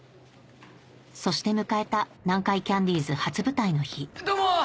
そして迎えた南海キャンディーズ初舞台の日どうも！